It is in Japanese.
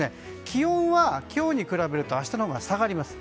気温は今日に比べると明日のほうが下がります。